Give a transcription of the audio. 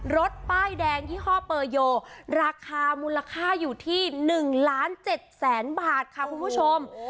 รถป้ายแดงยี่ห้อเปอร์โยราคามูลค่าอยู่ที่๑ล้าน๗แสนบาทค่ะคุณผู้ชม